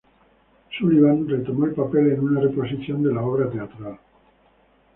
Sullivan retomó el papel en una reposición de la obra teatral.